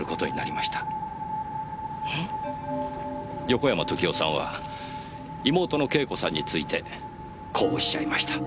横山時雄さんは妹の慶子さんについてこうおっしゃいました。